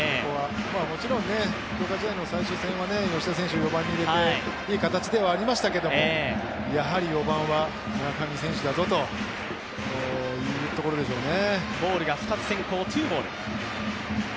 もちろん強化試合の最終戦は吉田選手、４番に入れていい形ではありましたが、やはり４番は村上選手だぞというところでしょうね。